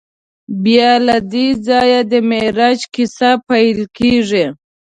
بیا له دې ځایه د معراج کیسه پیل کېږي.